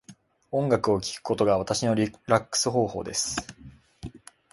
音楽を聴くことが私のリラックス方法です。